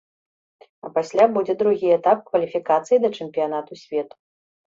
А пасля будзе другі этап кваліфікацыі да чэмпіянату свету.